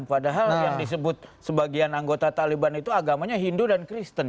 padahal yang disebut sebagian anggota taliban itu agamanya hindu dan kristen